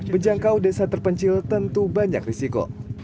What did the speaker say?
menjangkau desa terpencil tentu banyak risiko